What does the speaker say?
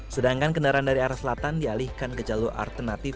sedangkan kendaraan dari arah selatan dialihkan ke jalur alternatif